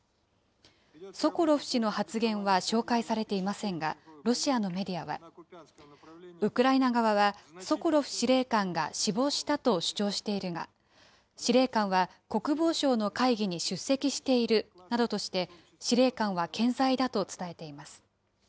ソコロフ氏の発言は紹介されていませんが、ロシアのメディアは、ウクライナ側は、ソコロフ司令官が死亡したと主張しているが、司令官は国防省の会議に出席しているなどとして、司令官は健在だと伝えています。